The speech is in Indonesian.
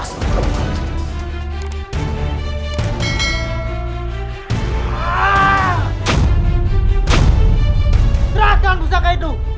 serahkan pusaka itu